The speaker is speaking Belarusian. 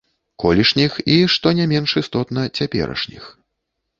Колішніх і, што не менш істотна, цяперашніх.